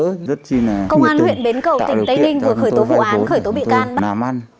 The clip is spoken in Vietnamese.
công an huyện bến cầu tỉnh tây đinh vừa khởi tố vụ án khởi tố bị can bắt